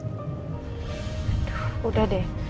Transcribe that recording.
aduh udah deh